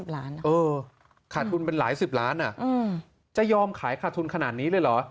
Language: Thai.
ขาดทุนเป็นหลายสิบล้านจะยอมขายขาดทุนขนาดนี้เลยเหรอ